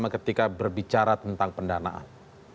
ketika berbicara tentang pendanaan